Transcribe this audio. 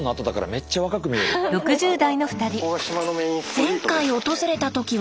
前回訪れた時は。